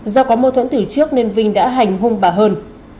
do có mâu thuẫn từ trước nên vinh đã hành hung bà hơn